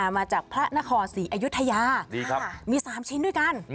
มาจากพระนครศรีอยุธยามี๓ชิ้นด้วยกัน